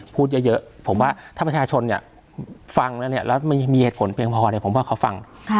พูดเยอะผมว่าถ้าประชาชนฟังแล้วมีเหตุผลเพียงพอดีผมว่าเขาฟัง